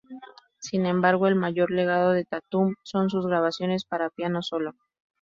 Sin embargo, el mayor legado de Tatum son sus grabaciones para piano solo.